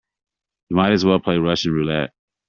You might as well play Russian roulette.